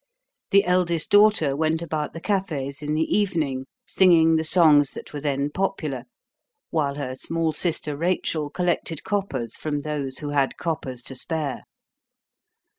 The eldest daughter went about the cafes in the evening, singing the songs that were then popular, while her small sister, Rachel, collected coppers from those who had coppers to spare.